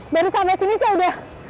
baru sampai sini saya udah